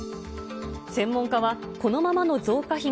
専門家は、このままの増加比